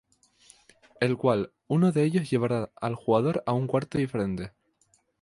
El cual, uno de ellos llevará al jugador a un cuarto diferente.